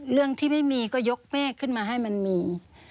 เรื่องที่ไม่มีก็ยกเมฆขึ้นมาให้มันมี